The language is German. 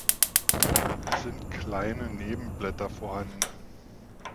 Es sind kleine Nebenblätter vorhanden.